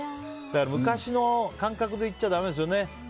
昔の感覚でいっちゃだめですよね。